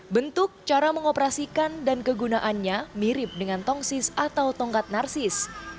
bentuk cara mengoperasikan dan kegunaannya mirip dengan tongsis atau tongkat narsis